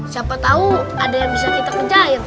siapa tahu ada yang bisa kita kerjain